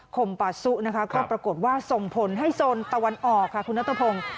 คมปาซุนะคะก็ปรากฏว่าส่งผลให้โซนตะวันออกค่ะคุณนัทพงศ์